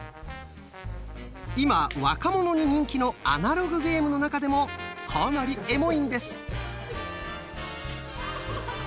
今若者に人気のアナログゲームの中でもかなり「エモい」んです。